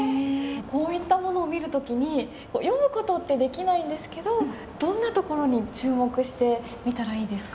こういったものを見る時に読む事ってできないんですけどどんなところに注目して見たらいいですか？